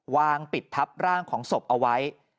วางปิดทับร่างของศพเอาไว้